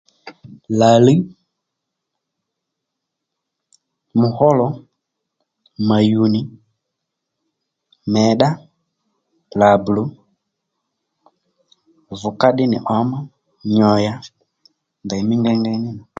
Làlíy, mùhólo, màyùnì, mèddá, làblò, vùgá ddí nì ǒmá nyòyà ndèymí ngéyngéy ní